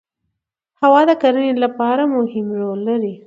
هوا د کرنې لپاره مهم رول لري